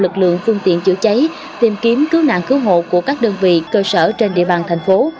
công việc cơ sở trên địa bàn thành phố